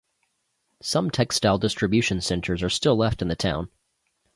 Some textile distribution centres are still left in the town.